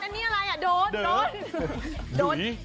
ทำไมดอนแบบใส่เอ็ดแบบ